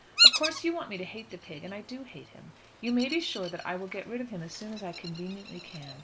Of course you want me to hate the pig, and I do hate him. You may be sure that I will get rid of him as soon as I conveniently can.